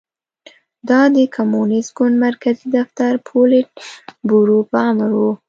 دا د کمونېست ګوند مرکزي دفتر پولیټ بورو په امر و